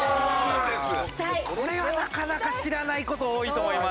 これはなかなか知らない事多いと思います。